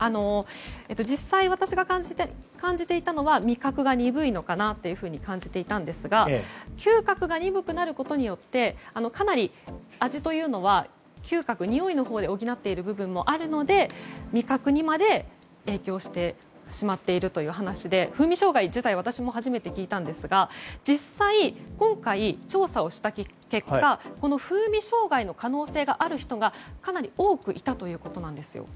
実際、私が感じていたのは味覚が鈍いのかなと感じていたんですが嗅覚が鈍くなることによってかなり味というのは嗅覚、においのほうで補っている部分もあるので味覚にまで影響してしまっているという話で風味障害自体私も初めて聞いたんですが実際、今回調査をした結果この風味障害の可能性がある人がかなり多くいたということです。